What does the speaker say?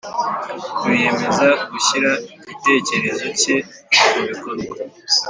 biyemeza gushyira igitekerezo cye mu bikorwa